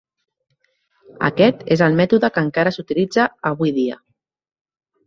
Aquest és el mètode que encara s'utilitza avui dia.